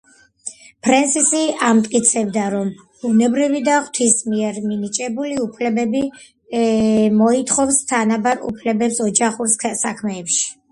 ფრენსისი ამტკიცებდა, რომ ბუნებრივი და ღვთის მიერ მინიჭებული უფლებები მოითხოვს თანაბარ უფლებებს ოჯახურ საქმეებში.